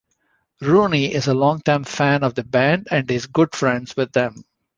Rooney is a longtime fan of the band and is good friends with them.